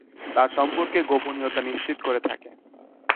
কার সম্পর্কে গোপনীয়তা নিশ্চিত করে থাকে?